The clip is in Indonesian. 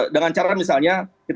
dengan cara misalnya kita mengedukasi